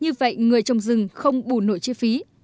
như vậy người trồng rừng không bù nổi chi phí